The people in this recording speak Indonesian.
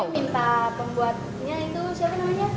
minta pembuatnya itu siapa namanya